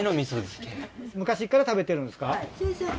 昔から食べてるんですか？